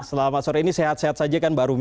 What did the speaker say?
selamat sore ini sehat sehat saja kan mbak rumi